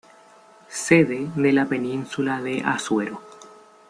Sede de la península de Azuero.